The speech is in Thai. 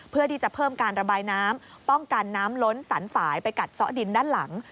เพื่อที่จะเพิ่มการระบายน้ำป้องกันน้ำล้นสันฝ่ายไปกัดซ้อดินด้านหลัง